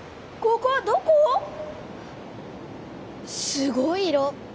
すごい色。